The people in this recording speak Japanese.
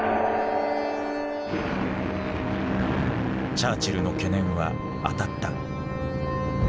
チャーチルの懸念は当たった。